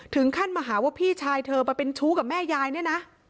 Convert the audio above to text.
ถึงขั้นมาหาว่าพี่ชายเธอมาเป็นชู้กับแม่ยายเนี่ยนะ